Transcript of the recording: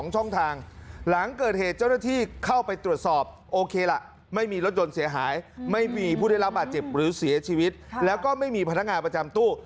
ช่องทางหลังเกิดเหตุเจ้าหน้าที่เข้าไปตรวจสอบโอเคล่ะไม่มีรถยนต์เสียหายไม่มีผู้ได้รับบาดเจ็บหรือเสียชีวิตแล้วก็ไม่มีพนักงานประจำตู้